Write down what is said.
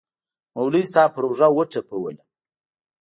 مولوي صاحب پر اوږه وټپولوم.